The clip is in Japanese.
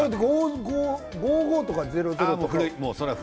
５、５とか０、０とか。